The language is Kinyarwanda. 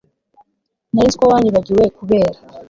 nari nzi ko wanyibagiwe, kubera